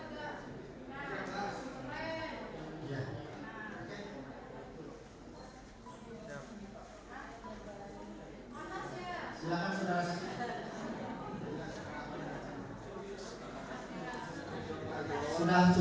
dalam perjalanan ini